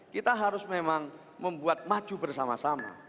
kita harus memang membuat maju bersama sama